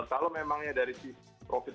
kalau memangnya dari sisi profit